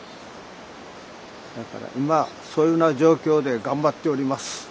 だから今そういうふうな状況で頑張っております。